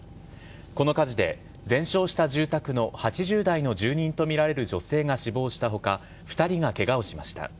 この火事で全焼した住宅の８０代の住人と見られる女性が死亡したほか、２人がけがをしました。